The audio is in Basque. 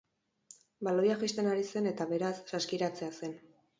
Baloia jaisten ari zen eta beraz, saskiratzea zen.